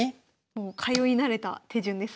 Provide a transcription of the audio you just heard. もう通い慣れた手順ですね。